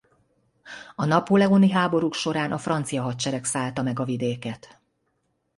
A napóleoni háborúk során a francia hadsereg szállta meg a vidéket.